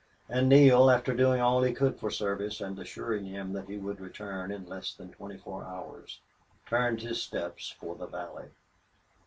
And Neale, after doing all he could for Service, and assuring him that he would return in less than twenty four hours, turned his steps for the valley.